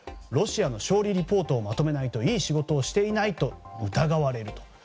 ロシアの勝利リポートをまとめないといい仕事をしていないと疑われると。